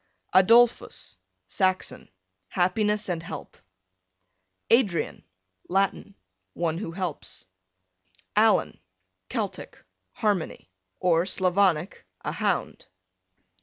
Adolphus, Saxon, happiness and help. Adrian, Latin, one who helps. Alan, Celtic, harmony; or Slavonic, a hound.